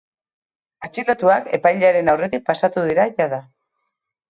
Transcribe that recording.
Atxilotuak epailaren aurretik pasatu dira jada.